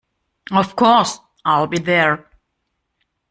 Of course, I’ll be there!